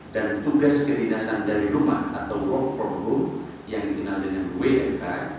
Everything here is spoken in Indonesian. dan tugas perhiasan dari rumah atau work for home yang dikenal dengan wfi